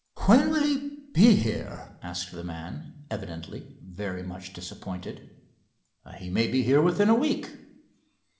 "When will he be here?" asked the man, evidently very much disappointed. "He may be here within a week."